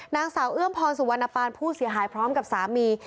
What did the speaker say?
นางสาวเอื้อมพรสุวรรณปานผู้เสียหายพร้อมกับสามี